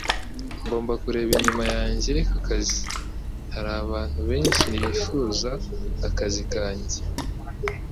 Ngomba kureba inyuma yanjye ku kazi - hari abantu benshi bifuza akazi kanjye